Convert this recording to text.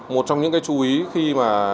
một trong những cái chú ý khi mà